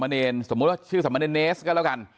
เนรสมมุติว่าชื่อสมเนรเนสก็แล้วกัน